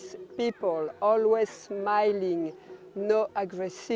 selalu senyum tidak agresif